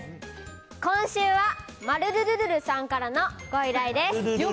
今週は、まるるるるるさんからのご依頼です。